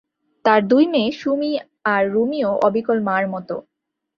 তাঁর দুই মেয়ে সুমী আর রুমীও অবিকল মার মতো।